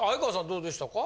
どうでしたか？